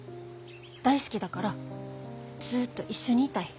大好きだからずっと一緒にいたい。